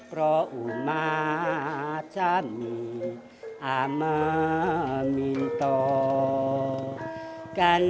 orangnya jadi penjaga dan